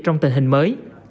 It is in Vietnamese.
trong tình hình mới